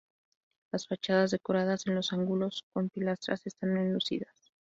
Las fachadas decoradas en los ángulos con pilastras, están enlucidas.